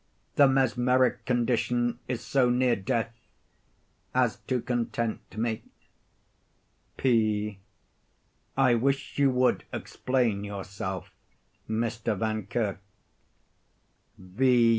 The mesmeric condition is so near death as to content me. P. I wish you would explain yourself, Mr. Vankirk. _V.